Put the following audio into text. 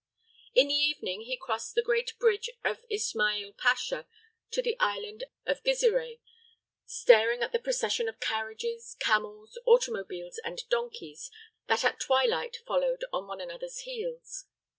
In the evening he crossed the great bridge of Isma'il Pasha to the island of Gizireh, staring at the procession of carriages, camels, automobiles and donkeys that at twilight followed on one another's heels.